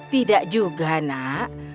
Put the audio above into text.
tidak juga nak